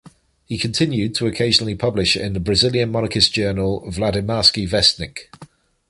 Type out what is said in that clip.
He continued to occasionally publish in the Brazilian monarchist journal "Vladimirsky Vestnik".